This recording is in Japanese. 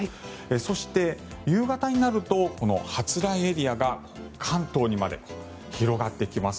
そして、夕方になるとこの発雷エリアが関東にまで広がってきます。